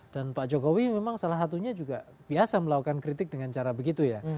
dan pak jokowi memang salah satunya juga biasa melakukan kritik dengan cara begitu ya